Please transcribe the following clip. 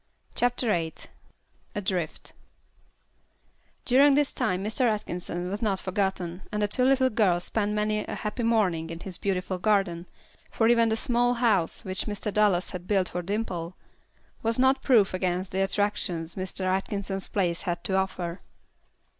CHAPTER VIII Adrift During this time Mr. Atkinson was not forgotten, and the two little girls spent many a happy morning in his beautiful garden, for even the small house which Mr. Dallas had built for Dimple, was not proof against the attractions Mr. Atkinson's place had to offer.